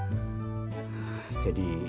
mas surah kami ingin